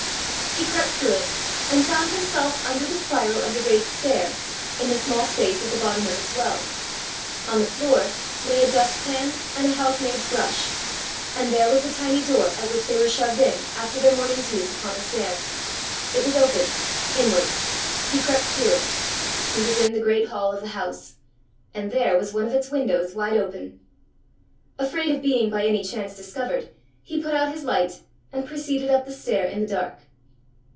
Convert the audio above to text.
He crept through it, and found himself under the spiral of the great stair, in the small space at the bottom of its well. On the floor lay a dust pan and a house maid's brush and there was the tiny door at which they were shoved in, after their morning's use upon the stair! It was open inwards; he crept through it: he was in the great hall of the house and there was one of its windows wide open! Afraid of being by any chance discovered, he put out his light, and proceeded up the stair in the dark.